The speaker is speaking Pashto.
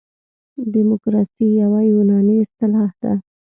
دموکراسي یوه یوناني اصطلاح ده.